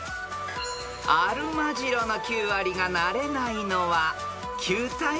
［アルマジロの９割がなれないのは球体？